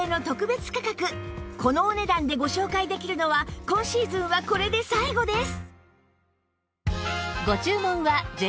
このお値段でご紹介できるのは今シーズンはこれで最後です！